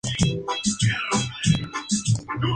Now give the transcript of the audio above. Saliendo de Pskov es apresado y ejecutado en secreto.